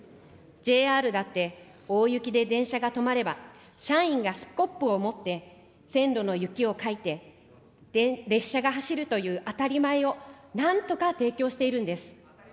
ＪＲだって大雪で電車が止まれば、社員がスコップを持って、線路の雪をかいて、列車が走るという当たり前を、なんとか提供しているんです。